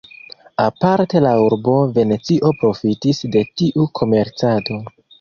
Aparte la urbo Venecio profitis de tiu komercado.